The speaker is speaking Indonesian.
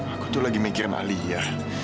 aku tuh lagi mikirin ali ya